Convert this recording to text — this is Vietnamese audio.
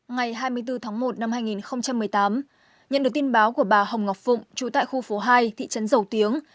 ngày hai mươi bốn tháng một năm hai nghìn một mươi tám nhận được tin báo của bà hồng ngọc phụng chú tại khu phố hai thị trấn dầu tiếng